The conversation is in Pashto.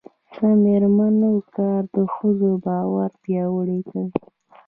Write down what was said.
د میرمنو کار د ښځو باور پیاوړی کوي.